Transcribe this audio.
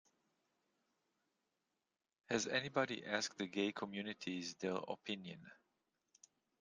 Has anybody asked the gay communities their opinion?